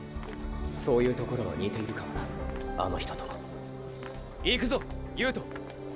そういうところは似ているかもなあの人と行くぞ悠人。